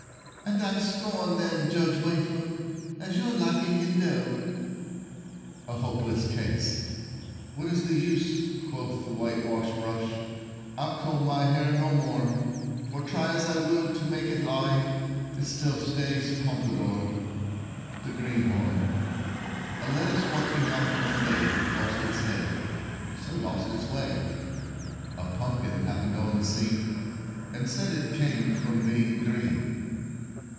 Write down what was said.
"And I scorn them, Judge Wafer, As you're lacking in dough." [Illustration: The Refusal] A HOPELESS CASE "What is the use?" quoth the Whitewash Brush, "I'll comb my hair no more; For try as I will to make it lie, It still stays pompadour." [Illustration: A Hopeless Case] THE GREENHORN A lettuce walking out one day, Lost his head, so lost his way; A Pumpkin happened on the scene, And said it came from being green.